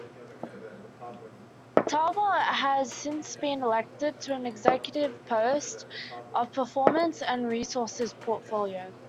Talbot has since been elected to an Executive post of Performance and Resources Portfolio.